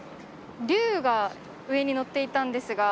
龍が上にのっていたんですが。